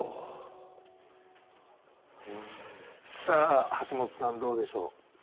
さあ橋本さんどうでしょう？